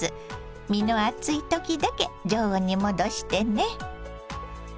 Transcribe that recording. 身の厚い時だけ常温に戻してね。